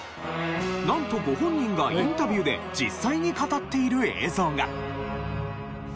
なんとご本人がインタビューで実際に語っている映像が。